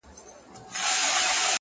يو کال وروسته کلي بدل سوی,